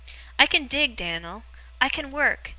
I can dig, Dan'l. I can work.